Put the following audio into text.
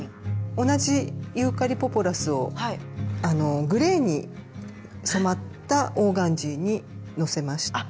同じユーカリ・ポポラスをグレーに染まったオーガンジーにのせました。